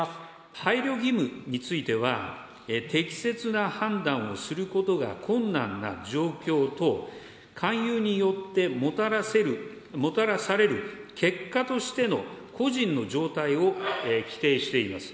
配慮義務については、適切な判断をすることが困難な状況等、勧誘によってもたらされる結果としての個人の状態を規定しています。